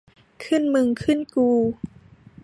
ขึ้นมึงขึ้นกู